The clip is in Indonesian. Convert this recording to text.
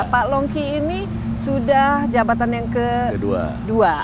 pak longki ini sudah jabatan yang kedua